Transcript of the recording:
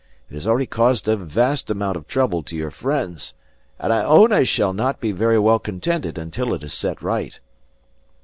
It has already caused a vast amount of trouble to your friends; and I own I shall not be very well contented until it is set right."